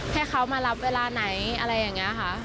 ให้เขามารับเวลาไหนอะไรอย่างนี้ค่ะ